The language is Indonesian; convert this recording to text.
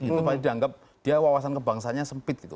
itu pasti dianggap dia wawasan kebangsanya sempit gitu